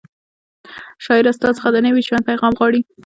شاعره ستا څخه د نوي ژوند پیغام غواړي